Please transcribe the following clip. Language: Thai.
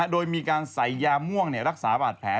โดยมีการใส่ยาม่วงรักษาบาดแผล